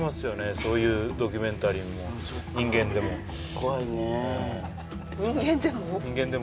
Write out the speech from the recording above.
そういうドキュメンタリーも人間でも怖いね人間でも？